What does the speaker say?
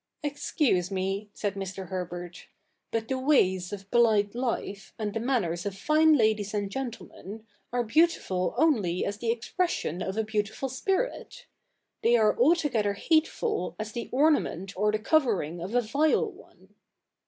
'Excuse me,' said Mr. Herbert, 'but the ways of polite life, and the manners of fine ladies and gentlemen, are beautiful only as the expression of a beautiful spirit I They are altogether hateful as the ornament or the covering of a vile one.'